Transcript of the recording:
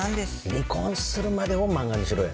離婚するまでを漫画にしろよ。